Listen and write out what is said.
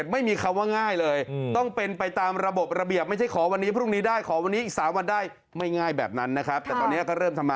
จะต้องลองไปติดต่อที่เขตดูอีกทีหนึ่งค่ะอาจจะง่ายขึ้นก็ได้ค่ะ